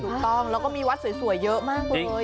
ถูกต้องแล้วก็มีวัดสวยเยอะมากเลย